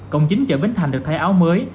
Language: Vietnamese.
cộng chính chợ bến thành được thay áo mới